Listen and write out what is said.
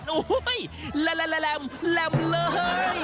โอ้โฮเห้ยแหลมเลย